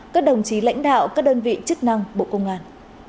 các đồng chí lãnh đạo các đơn vị chức năng bộ công an